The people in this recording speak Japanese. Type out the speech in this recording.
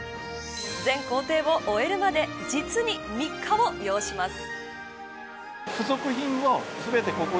全行程を終えるまで実に３日を要します。